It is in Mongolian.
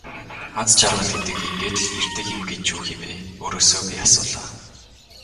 Аз жаргал гэдэг ингээд л ирдэг юм гэж үү хэмээн өөрөөсөө би асуулаа.